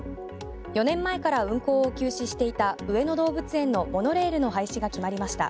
４年前から運行を休止していた上野動物園のモノレールの廃止が決まりました。